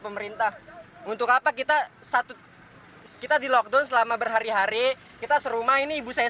pemerintah untuk apa kita satu kita di lockdown selama berhari hari kita serumah ini ibu saya